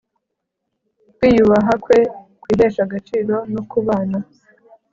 kwiyubaha kwe kwihesha agaciro no kubana